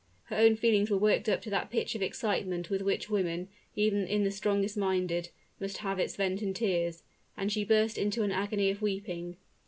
Her own feelings were worked up to that pitch of excitement with which women even in the strongest minded, must have its vent in tears; and she burst into an agony of weeping.